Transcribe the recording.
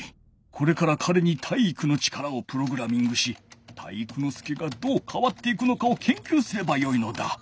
これからかれに体育の力をプログラミングし体育ノ介がどうかわっていくのかをけんきゅうすればよいのだ。